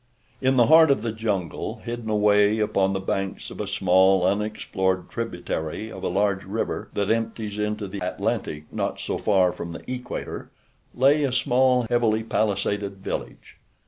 In the heart of the jungle, hidden away upon the banks of a small unexplored tributary of a large river that empties into the Atlantic not so far from the equator, lay a small, heavily palisaded village.